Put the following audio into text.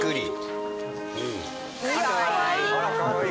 かわいい。